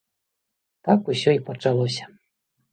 Так усё і пачалося.